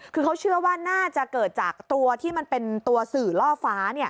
คือเขาเชื่อว่าน่าจะเกิดจากตัวที่มันเป็นตัวสื่อล่อฟ้า